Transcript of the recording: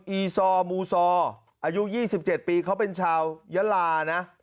อีซอร์มูซอร์อายุยี่สิบเจ็ดปีเขาเป็นชาวยาลานะ